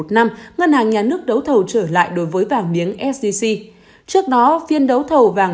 một mươi một năm ngân hàng nhà nước đấu thầu trở lại đối với vàng miếng sdc trước đó phiên đấu thầu vàng